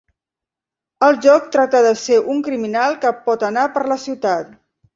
El joc tracta de ser un criminal que pot anar per la ciutat.